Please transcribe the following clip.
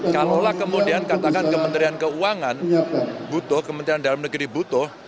kalaulah kemudian katakan kementerian keuangan butuh kementerian dalam negeri butuh